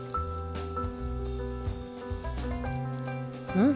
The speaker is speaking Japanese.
うん！